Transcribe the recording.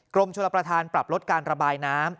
กรมชลประธานปรับลดการระบายน้ำ